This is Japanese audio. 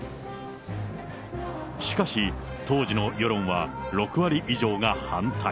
しかし、当時の世論は６割以上が反対。